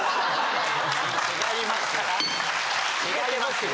・違いますよ